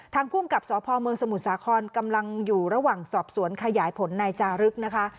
ภูมิกับสพเมืองสมุทรสาครกำลังอยู่ระหว่างสอบสวนขยายผลนายจารึกนะคะ